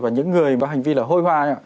và những người mà hành vi là hôi hoa